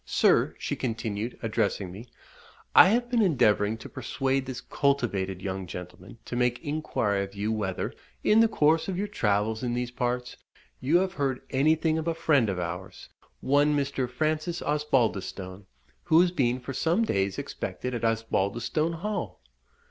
Sir," she continued, addressing me, "I have been endeavouring to persuade this cultivated young gentleman to make inquiry of you whether, in the course of your travels in these parts, you have heard anything of a friend of ours, one Mr. Francis Osbaldistone, who has been for some days expected at Osbaldistone Hall?"